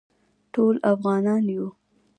ټول افغانان یو